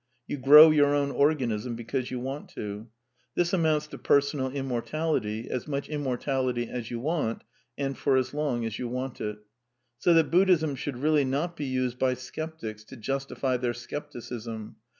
You grow your own organism because you want to. This amounts to Personal Immortality — as much im mortality as you want, and for as long as you want it. So that Buddhism should really not be used by sceptics to justify their scepticism.